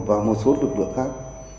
và một số lực lượng khác